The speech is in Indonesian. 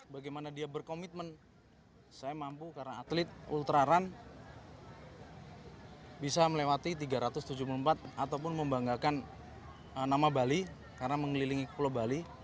bagaimana dia berkomitmen saya mampu karena atlet ultra run bisa melewati tiga ratus tujuh puluh empat ataupun membanggakan nama bali karena mengelilingi pulau bali